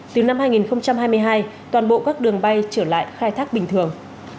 từ năm hai nghìn hai mươi hai toàn bộ các đường bay trở lại khai thác bình thường